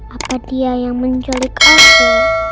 apa dia yang menculik aku